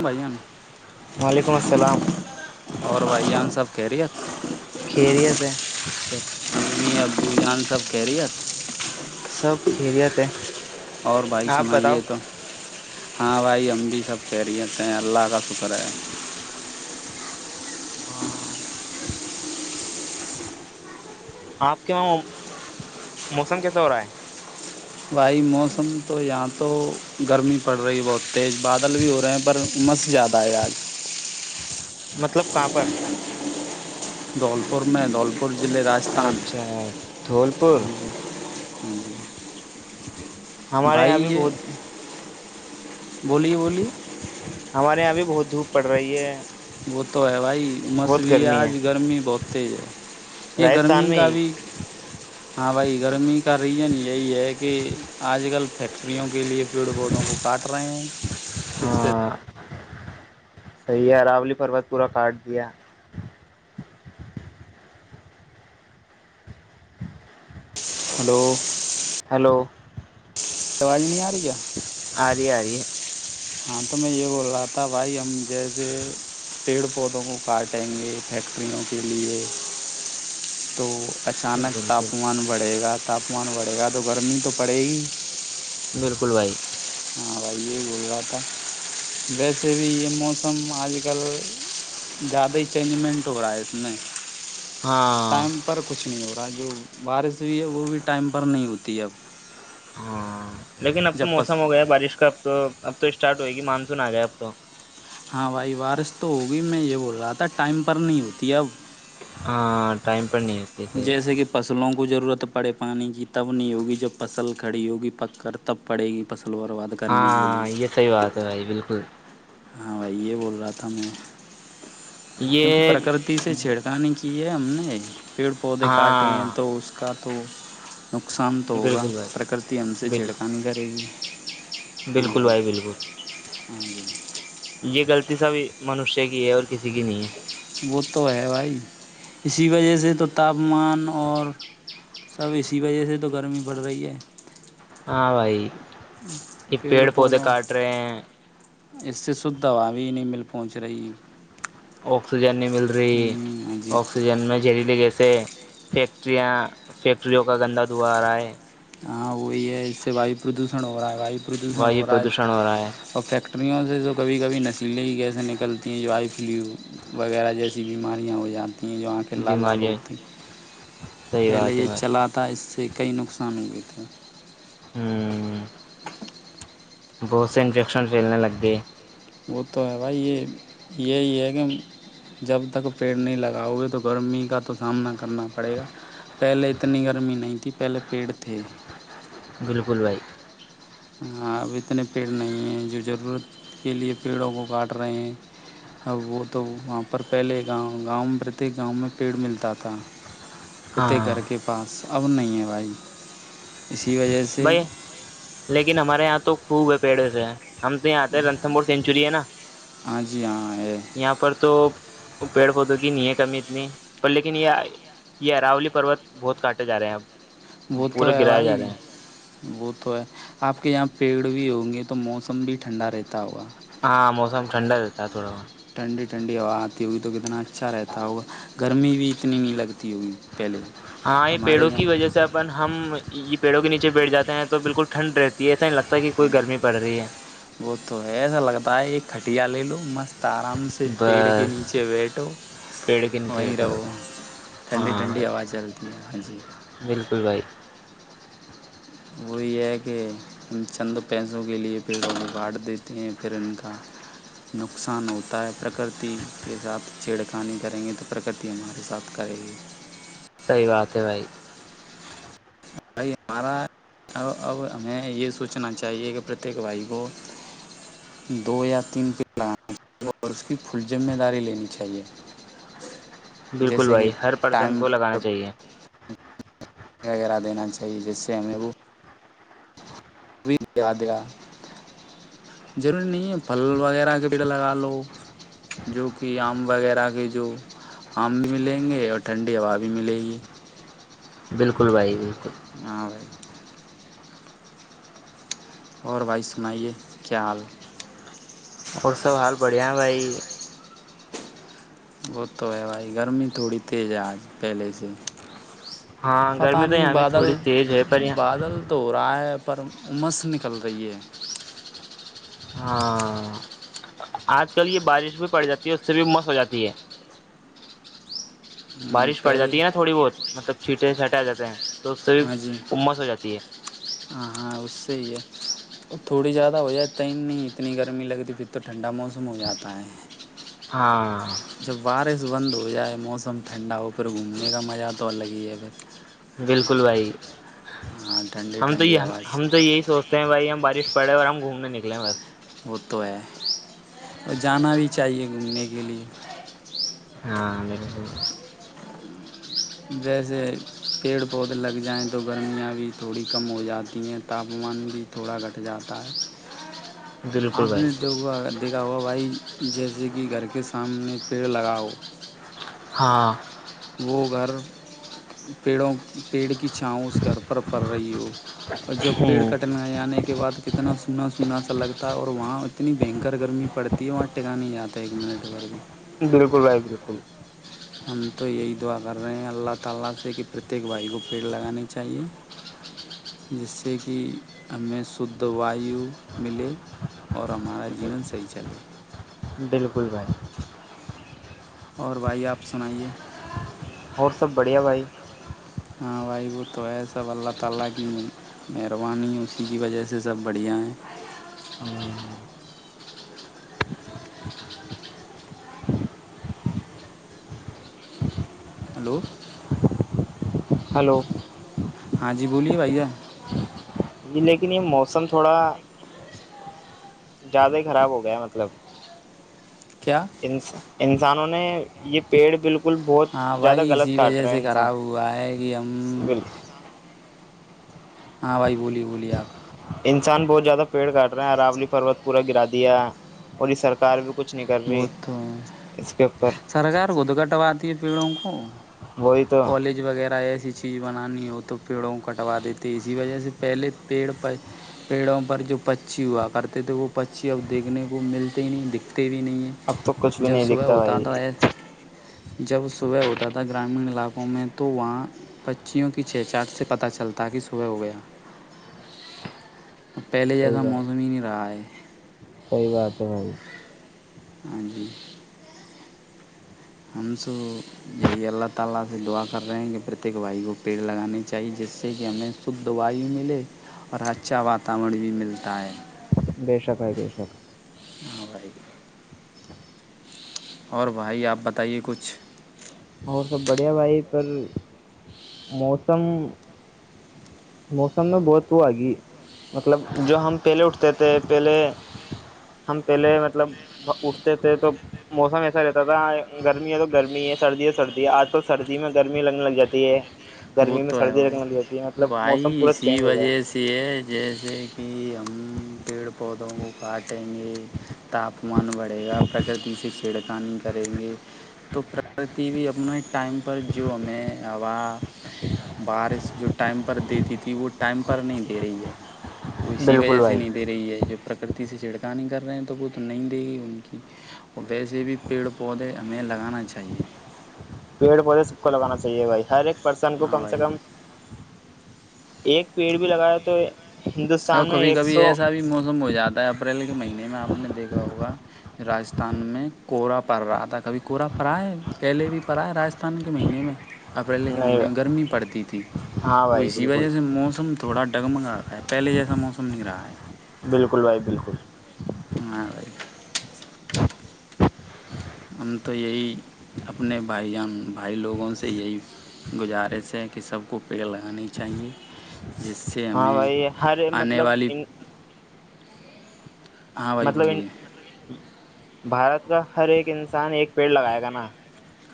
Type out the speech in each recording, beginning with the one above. بھائی وعلیکم السلام اور بھائی جان سب کیریر کھیریات سب امی ابو جان سب کیریئر سب خیریت ہے اور بھائی آپ بتاؤ سنائیے تو ہاں بھائی ہم بھی سب خیریت ہیں اللہ کا شکر ہے ہاں آپ کے وہاں موسم کیسا ہو رہا ہے بھائی موسم تو یہاں تو گرمی پڑ رہی ہے بہت تیز بادل بھی ہو رہے ہیں پر عمس زیادہ ہے آج مطلب کہاں پر دولپور میں دولپور اچھا دھول پر ہمارے بھائی یہاں بھی بہت یہ بولیے بولیے ہمارے یہاں بھی بہت دھوپ پڑ رہی ہے وہ تو ہے بھائی مسو بہت گرمی ہے آج گرمی بہت تیز ہے یہ راجستھان گرمی میں کا ہی بھی ہاں بھائی گرمی کا ریزن یہی ہے کہ آج کل فیکٹریوں کے لیے پیڑ پودوں کو کاٹ رہے ہیں اس طح صحی ہے اراولی پروت پورا کاٹ دیا ہلو ہیلو سوال نہیں آ رہی ہے آ رہ آاری ہاں تو میں یہ بول رہا تھا بھائی ہم جیسے پیڑ پودوں کو کاٹیں گے فیکٹریوں کے لیے تو ہے اچانک بالکل تاپمان بڑھے گا تاپمان بڑھے گا تو گرمی تو پڑے گی بالکل بھائی ہاں بھائی یہی بول رہا تھا ویسے بھی یہ موسم آج کل زیادہ ہی چینجمنٹ ہو رہا ہے اس میں ہاں ٹائم پر کچھ نہیں ہوا ب جو بارش ہوئی ہے وہ بھی ٹائم پر نہیں ہوتی ہے اب ہاں لیکن اب تو جب پس موسم ہو گیا بارش کا تو اب تو اسٹارٹ ہوئے گی مانسون آ جائے اب تو ہاں بھائی وارش تو ہوگی میں یہ بول رہا تھا ٹائم پر نہیں ہوتی اب ہ ٹائم پر نہیں ہوتی صحیح جیسے کہ فصلوں کو ضرورت پڑے پانی کی تب نہیں ہوگی جب فصل کھڑی ہوگی پک کر تب پڑے گی پصل ہاں یہ صحی بات ہے بھائی بالکل ہاں بھائی یہ بول رہا تھا میں کیونکہ یہ پرکرتی سے چھیڑکانی کی یہم نہیں پیڑ پودے کاٹے ہیں ہاں تو اس کا تو نقصان تو ہوگا بالکل بھائی پرکرتی ہم سے بال چھڑکانی کرے گی بالکل بھائی بالکل ہاں جی یہ غلط سب منشیہ کی ہے اور کسی جک نہیں وہ تو ہے بھائی اسی وجہ سے تو تاپمان اور سب اسی وجہ سے تو گرمی پڑ رہی ہے ہاں بائی ا پیڑ پڑ پتے پودوں کاٹ رہ اس سے شھ دوا بھی نہیں مل پہنچ رہی آکسیجن مل رہی ہاں جی آکسیجن میں جہریلے گیس سے فیکٹریاں فیکٹریوں کا گندا دھوا آ رہا ہے ہاں وہی ہے اس سے واو پردوشن ہو رہا ہے واو وائیو پردوشن ہو رہا ہے ٹریوں سے تو کبھی کبھی نشیلیں ہی کییسے نکلتی ہیں جو آئی فلو وغیرہ جیسی بیماریاں ہو جاتی ہوتی ہیں جو وہاں کے لال لال بیماریاں ہوتی ہیں صحیح پہلے بات ہے یہ بھائی چلا تھا اس سے کئی نقصان ہو جتا ہے [inaudible] ہوں [inaudible] بہت سے انفیکشن پھیلنے لگ گے [unintelligible] وہ تو ہے بھائی یہ یہی ہے کہ جب تک پیڑ نہیں لگاؤ گے تو گرمی کا تو سامنا کرنا پڑے گا پہلے اتنی گرمی نہیں تھی پہلے پیڑ تھے [unintelligible] بالکل بھائی [unintelligible] ہاں اب اتنے پیڑ نہیں ہیں جو ضرورت کے لیے پیڑوں کو کاٹ رہے ہیں اب وہ تو وہاں پر پہلے گاؤں گاؤں پرتیک گاؤں میں پیڑ ملتا تھا [unintelligible] پرتیک ہاں گھر کے پاس [unintelligible] اب نہیں ہے بھائی [unintelligible] اسی وجہ سے بھائی [unintelligible] لیکن ہمارے یہاں تو خوب پیڑے سے [unintelligible] ہم تو یہاں رنھمور [unintelligible] چلیے نا [inaudible] ہاں جی ہاں ہے [unintelligible] یہاں پر تو پیڑ پودوں کی ن ہے کمی اتنی پر لیکن یہ یہ اراولی پروت بہت کاٹے جا رہے ہیں اب وہ [unintelligible] تو پورے ہے گرائے جا بھائی رہے ہیں [unintelligible] وہ تو ہے آپ کے یہاں پیڑ بھی ہوں گے تو موسم بھی ٹھنڈا رہتا ہوگا [unintelligible] ہاں موسم ٹھنڈا رہتا ہے تھوڑا بہت [unintelligible] ٹنڈی ٹھنڈی ہوا آتی ہوگ تو کتنا اچھا رہتا ہوگا گرمی بھی اتنی نہیں لگتی [unintelligible] پہلے ہاں یہ ہمارے پیڑوں کی یہاں وجہ سے اپن ہم یہ پیڑوں کے نیچ [unintelligible] بیٹھ جے ہیں تو بالکل ٹھن رہتی ہے ایسا نہیں لگتا [inaudible] گرمی پڑ رہی ہے ہ وہ تو ہے ایسا لگتا ہے یہ کھٹیا لے لو [inaudible] مست [inaudible] آرام سے پیڑ کے بس نیچے بیٹھو پیڑ کے نیچے وہیں بیٹھو رہو ٹھنڈی ہاں ٹھنڈی بھائی ہوا چلتی ہے ہاں جی [inaudible] بالکل بھائی وہ یہ ہے کہ ہم چند پیسوں کے لیے پیڑوںیں کاانٹ دیتے ہیں پھر ان کا نقصان ہوتا ہے پرکرتی کے ساتھ چھیڑخانی کریں گے تو پرکرتی ہمارے ساتھ کرے گی [unintelligible] صحی بات ہے بھائی [unintelligible] بھائی ہمارا اب ہمیں یہ سوچنا چاہیے کہ پرتیک بھائی کو دو یا تین پ لگا اور اس کی فل ذمہ داری لینی چاہیے [unintelligible] بالکل جیسے کہ بھائی ہر پرسن ٹائم کو لگانا پر چاہیے [unintelligible] وغیرہ دینا چاہیے جس سے ہمیں وہ [unintelligible] وہ بھی دیا دیا ضروری نہیں ہے پھل وغیرہ کے پیڑ لگا لو جو کہ آم وغیرہ کے جو آم بھی ملیں گے اور ٹھنڈی ہوا بھی ملے گی [unintelligible] بالکل بھائی ج [unintelligible] اوراں [inaudible] اور بھائی سنائیے کیا حال [unintelligible] اور سب حال بڑھیا ہے بھائی [unintelligible] وہ تو ہے بھائی گرمی تھوڑی تیز ہے آج پہلے سے ہاں [unintelligible] پتہ گرمی تو نہیں یہاں بھی بادل تھوڑی تیز ہے پر یہاں بادل تو ہو رہا ہے [unintelligible] پر امس نکل رہی ہے [unintelligible] ہاں آج کل یہ بارش بھی پڑ جاتی ہے اس سے بھی مس ہو جاتی ہے [unintelligible] بارش پڑ پہلے جاتی ناوڑی بہت مطلب چھیٹ [unintelligible] سے ہٹیا جاتا ہیں [inaudible] ہاں جی امس ہو جاتی ہے ہاں ہاں اس سے ہی ہے ہے [unintelligible] تھوڑی زیادہ ہو جاتا ہے ہی نہیں اتنی گرمی لگتی پھر تو ٹھنڈا موسم ہو جاتا ہے ہاں جب بارش بند ہو جائے موسم ٹھنڈا ہو پھر گھومنے کا مزہ تو الگ ہی ہے بس بالکل بھائی ہاں ٹھنڈی ہم تو ٹھنڈی آواز یہ ہم تو یہی سوچتے ہیں بھائی ہم بارش پڑے اور ہم گھومنے نکلے ہیں بس [unintelligible] ہو تو ہے اور جانا بھی چاہیے گھومنے کے لیے [unintelligible] ہاں بال ب ویسے پیڑ پودے لگ جائیں تو گرمیاں بھی تھوڑی کم ہو جاتی ہیں تاپمان بھی تھوڑا گھٹ جاتا ہے بالکل آپ بھائی نے دیکا دیکھا ہوا بھائی جیسے کہ گھر کے سامنے پیڑ لگاؤ [unintelligible] ہاں [unintelligible] وہ گھر پیڑوں پیڑ کی [unintelligible] چاؤ اس گھر پر پڑ رہی ہو اور جب پیڑ کٹنے جانے کے بعد کتنا [unintelligible] سنا سنا سا لگتا ہے اور وہاں اتنی بھینکر گرمی پڑتی ہے وہاں ٹکا نہیں جاتا ہے ایک منٹ گ بھی [unintelligible] بالکل بھائی بالکل [unintelligible] [unintelligible] بالکل بھائی [unintelligible] اور بھائی آپ سنائیے اور سب بڑھیا بھائی [unintelligible] ہلو ہلو [unintelligible] ہاں جی بولیے بھیا جی لیکن یہ موسم تھوڑا زیادہ ہی خراب ہو گیا مطلب کیا ان انسانوں نے یہ پیڑ بالکل بہت ہاں زیادہ بھائی غلط اسی کاٹ وجہ رہا ہے سے انسان خراب ہوا ہے کہ ہم بال ہاں بھائی بولیے بولیے آپ انسان بہت زیادہ پیڑ کاٹ رہا عراولی پروت پورا گرا دیا اور یہ سرکار بھی کچھ نہیں کر رہی وہ تو ہے اس کے اوپر سرکار کو تو کٹواتی ہے پیڑوں کو وہی تو کالج وغیرہ ایسی چیز بنانی ہو تو پیڑوں کو کٹوا دیتے اسی وجہ سے پہلےڑ پیڑوں پر جو پچھی ہوا کرتے تھے وہ پکچھیی اب دیکھنے کو ملتے ہی نہیں دکھتے اتے بھی نہیں اب تو کچھ ہیں بھی جب نہیں صبح دکھتا ہوتا بھائی آتا ہے جب صبح ہوتا تھا گرامین علاقوں میں تو وہاں بچیوں کی چھچاٹ سے پتہ چلتا کہ صبح ہو گیا پہلے صحیح جیسا موسم ہی نہیں رہا ہے صحی بات ہے بھائی ہاں جی ہم تو یہی اللہ تعالی سے دعا کر رہے ہیں کہ پرتیک بھائی کو پیڑ لگانے چاہیے جس سے کہ ہمیں شدھ وائیو ملے اور اچھا واتاورن بھی ملتا ہے بے شک ہے بے شک ہاں بائے گ اور بھائی آپ بتائیے کچھ اور سب بڑھیا بھائی پر موسم موسم میں بہت وہ آگی مطلب جو ہم پہلے اٹھتے تھے پہلے ہم پہلے مطلب اٹھتے تھے تو موسم ایسا رہتا تھا گرمی ہے تو گرمی ہے سردی ہے سردی ہے آج کل سردی میں گرمی لگنے لگ جاتی ہے وہ گرمی میں تو ہے سردی بھائی رگنا بھی ہوتی ہے مطلب موسم پورا اسی چینج ہو گیا وجہ سے جیسے کہ ہم پیڑ پود پودوں کو کاٹیں گے تاپمان بڑھے گا پرکرتی سے چھڑکانی کریں گے تو پرکرتی بھی اپنا ایک ٹائم پر جو ہمیں ہوا بارش جو ٹائم پر دیتی تھی وہ ٹائم پر نہیں دے رہی ہے وہ اسی بالکل وجہ سے بھائی نہیں دے رہی ہے جو پرکرتی کھتی سے چھڑکانی کر رہے ہیں تو وہ تو نہیں دے گی ان کی اور ویسے بھی پیڑ پودے ہمیں لگانا چاہیے پیڑ پودے سب کو لگانا چاہیے بھائی ہر ایک پرسن کو ہاں کم سے بھائی کم ایک پیڑ بھی لگا رہیا تو اب ہندوستان میں کبھی ایک کبھی سو ایسا بھی موسم ہو جاتا ہے اپریل کے مئی منے میں آپ نے دیکھا ہوگا راستھان میں کورا پڑ رہا تھا کبھی کورا پا ہے پہلے بھی پڑا ہے راستھان کے مہینے میں اپریل کے نہیں مہینے میں گرمی پڑتی تھی ہاں وہ بھائی اسی بالکل وجہ سے موسم تھوڑا ڈٹگ منگا کر پہلے جیسا موسم نہیں رہا ہے بالکل بھائی بالکل ہ [inaudible] ہم تو یہی اپنے بھائی جان بھائی لوگوں سے یہی گزارش ہے کہ سب کو پیڑ لگانے چاہیے جس سے ہاں ہمیں بھائی ہر آنے مطلب والی ان ہاں بھائی بولیے بھارت کا ہر ایک انسان ایک پیڑ لگائے گا نا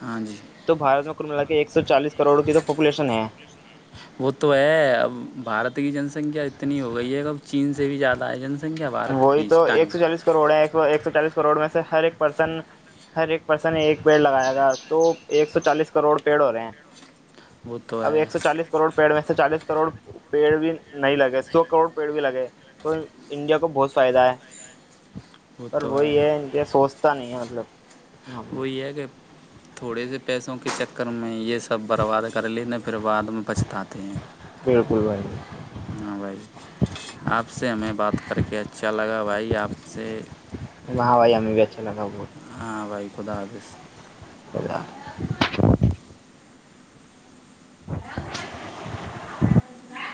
ہاں جی تو بھارت میں ملا کے ایک سو چالیس کروڑ کی تو پاپولیشن ہے وہ تو ہے اب بھارت کی جنسنکھیا اتنی ہو گئی ہے اب چین سے بھی زیادہ ہے جنس وہی تو ایک سو چالیس کروڑ ہے سو ایک سو چالیس کروڑ میں ہر ایک پرسن ہر ایک پرسن ایک پیڑ لگایا گا تو ایک سو چالیس کروڑ پیڑ ہو رہے ہیں وہ تو اب ہے ایک سو چالیس کروڑ پیڑ میں چالیس کروڑ پیڑ بھی نہیں لگے سو کروڑ پیڑ بھی لگے تو انڈیا کو کو بہت فائدہ ہے وہ پر تو وہی ہے کہ سوچ پت نہیں ہے مطلب وہی ہے کہ تھوڑے سے پیسوں کے چکر میں یہ سب برباد کر لی نہ پھر بعد میں پچتاتے ہیں بالکل بھائی ہاں بھائی آپ سے ہمیں بات کر کے اچھا لگا توائی آپ سے وہاں ویا میں بھی اچھاگاہت ہاں بھائی خدا حافظ اا [inaudible] ا ب ک ماراا [inaudible]